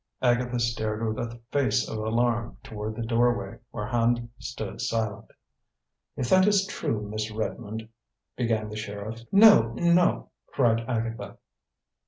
Agatha stared with a face of alarm toward the doorway, where Hand stood silent. "If that is true, Miss Redmond," began the sheriff. "No no!" cried Agatha.